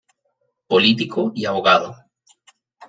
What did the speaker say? Político y Abogado.